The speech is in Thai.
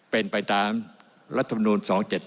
เป็นประตานรัฐนวณ๒๗๒